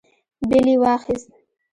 بېل يې واخيست.